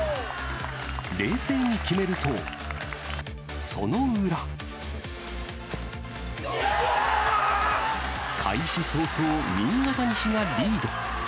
冷静に決めると、その裏。開始早々、新潟西がリード。